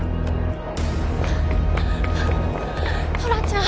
トラちゃん！